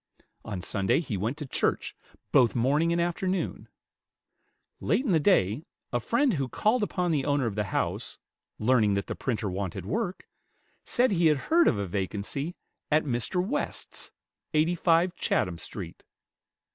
On Sunday he went to church, both morning and afternoon. Late in the day, a friend who called upon the owner of the house, learning that the printer wanted work, said he had heard of a vacancy at Mr. West's, 85 Chatham Street.